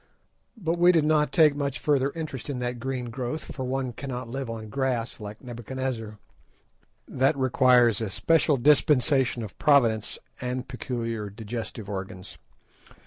But we did not take much further interest in the green growth, for one cannot live on grass like Nebuchadnezzar. That requires a special dispensation of Providence and peculiar digestive organs.